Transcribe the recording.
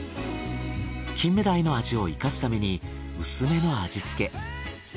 金目鯛の味を生かすために薄めの味付け。